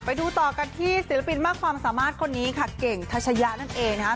ไปดูต่อกันที่ศิลปินมากความสามารถคนนี้ค่ะเก่งทัชยะนั่นเองนะคะ